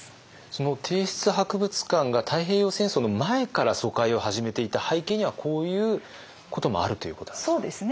その帝室博物館が太平洋戦争の前から疎開を始めていた背景にはこういうこともあるということなんですか。